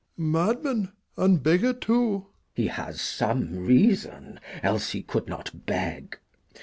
Madman and beggar too. Glou. He has some reason, else he could not beg.